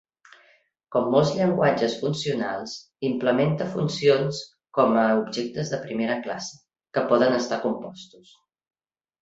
Com molts llenguatges funcionals, implementa funcions com a objectes de primera classe, que poden estar compostos.